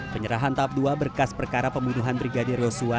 penyerahan tahap dua berkas perkara pembunuhan brigadir yosua